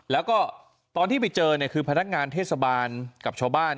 แล้วก็ตอนที่ไปเจอเนี่ยคือพนักงานเทศบาลกับชาวบ้าน